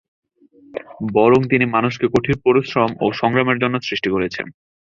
বরং তিনি মানুষকে কঠোর পরিশ্রম ও সংগ্রামের জন্য সৃষ্টি করেছেন।